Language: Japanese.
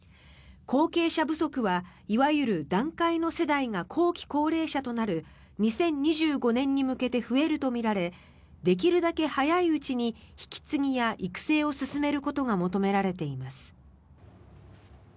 後継者不足はいわゆる団塊の世代が後期高齢者となる２０２５年に向けて増えるとみられできるだけ早いうちに引き継ぎや育成を進めることが求められています。